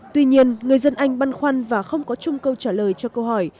tuy nhiên người dân anh băn khoăn và không có chung câu trả lời cho câu hỏi